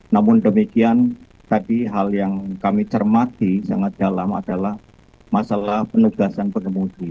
namun demikian tadi hal yang kami cermati sangat dalam adalah masalah penugasan pengemudi